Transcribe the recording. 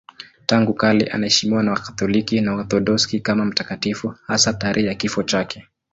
Tangu kale anaheshimiwa na Wakatoliki na Waorthodoksi kama mtakatifu, hasa tarehe ya kifo chake.